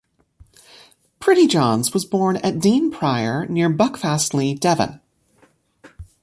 Prettyjohns was born at Dean Prior near to Buckfastleigh, Devon.